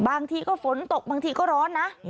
บางทีก็ฝนตกบางทีก็ร้อนนะ